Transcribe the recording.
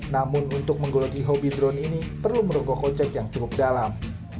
namun untuk menggoloki hobi drone ini perlu merogoh kocek yang cukup dalam